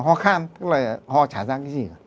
ho khan ho trả ra cái gì